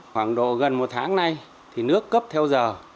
khoảng độ gần một tháng nay thì nước cấp theo giờ